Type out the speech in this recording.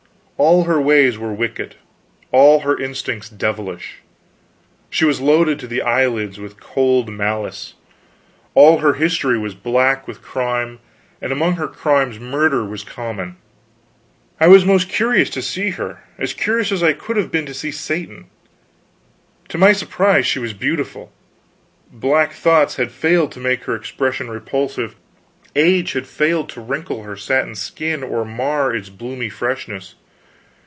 All her ways were wicked, all her instincts devilish. She was loaded to the eyelids with cold malice. All her history was black with crime; and among her crimes murder was common. I was most curious to see her; as curious as I could have been to see Satan. To my surprise she was beautiful; black thoughts had failed to make her expression repulsive, age had failed to wrinkle her satin skin or mar its bloomy freshness.